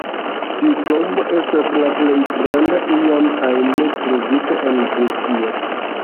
Tiu tombo estas la plej granda iam ajn trovita en Grekio.